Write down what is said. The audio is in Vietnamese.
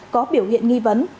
có biểu hiện nghi vấn